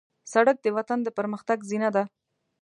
سړک د وطن د پرمختګ زینه ده.